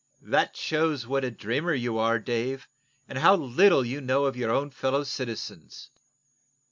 "That shows what a dreamer you are, Dave, and how little you know of your own fellow citizens.